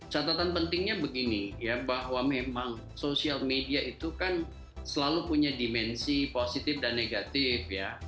catatan pentingnya begini ya bahwa memang social media itu kan selalu punya dimensi positif dan negatif ya